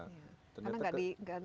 karena tidak digeronggotin sana sini